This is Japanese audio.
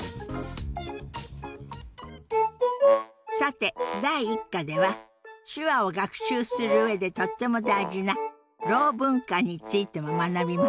さて第１課では手話を学習する上でとっても大事なろう文化についても学びましたね。